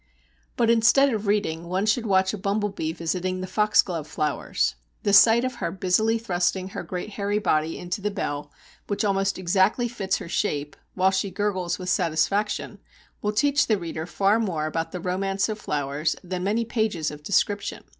But instead of reading, one should watch a bumble bee visiting the Foxglove flowers. The sight of her busily thrusting her great hairy body into the bell, which almost exactly fits her shape, while she gurgles with satisfaction, will teach the reader far more about the romance of flowers than many pages of description.